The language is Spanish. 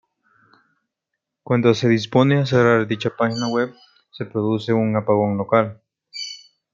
Cuando se dispone a cerrar dicha página web, se produce un apagón local.